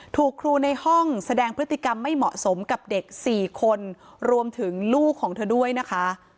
ถูกครูในห้องแสดงพฤติกรรมไม่เหมาะสมกับเด็ก๔คนรวมถึงลูกของเธอด้วยนะคะ